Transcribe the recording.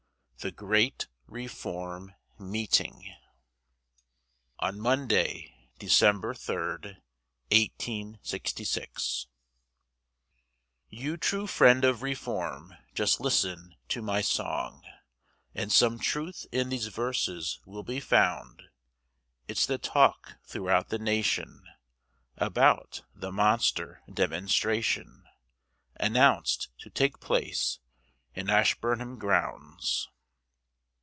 THE GREAT REFORM MEETING On Monday, December 3rd, 1866. You true friend of Reform, Just listen to my song, And some truth in these verses will be found: It's the talk throughout the nation, About the Monster Demonstration, Announc'd to take place in Ashburnham Grounds.